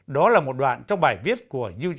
đó là một đoạn trong bài viết của uz